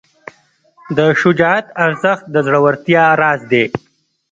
د شجاعت ارزښت د زړورتیا راز دی.